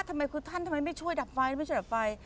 พระท่านทำไมไม่ช่วยดับไฟไม่ช่วยดับไฟ